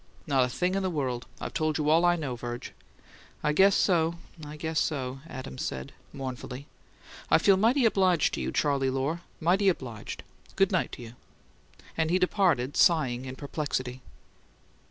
"Not a thing in the world. I've told you all I know, Virg." "I guess so, I guess so," Adams said, mournfully. "I feel mighty obliged to you, Charley Lohr; mighty obliged. Good night to you." And he departed, sighing in perplexity.